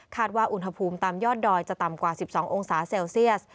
ว่าอุณหภูมิตามยอดดอยจะต่ำกว่า๑๒องศาเซลเซียส